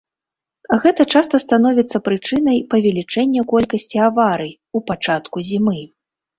Гэта часта становіцца прычынай павелічэння колькасці аварый у пачатку зімы.